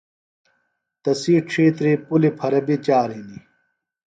تسی ڇِھیتری پُلیۡ پھرہ بیۡ چار ہِنیۡ۔